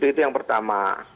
itu yang pertama